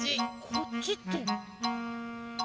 こっちってどっ。